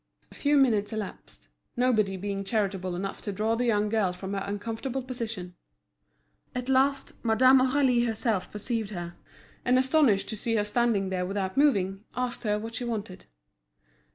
A few minutes elapsed, nobody being charitable enough to draw the young girl from her uncomfortable position. At last, Madame Aurélie herself perceived her, and astonished to see her standing there without moving, asked her what she wanted.